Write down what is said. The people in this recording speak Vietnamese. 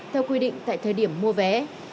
theo quy định tại thời điểm mua vé